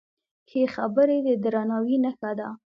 ښې خبرې د درناوي نښه ده.